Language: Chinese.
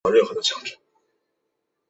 本站共两层。